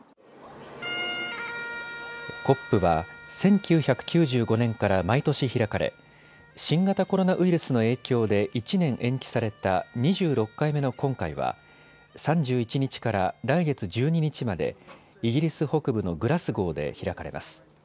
ＣＯＰは、１９９５年から毎年開かれ新型コロナウイルスの影響で１年延期された２６回目の今回は３１日から来月１２日までイギリス北部のグラスゴーで開かれます。